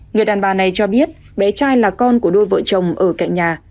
người đàn bà này cho biết bé trai là con của đôi vợ chồng ở cạnh nhà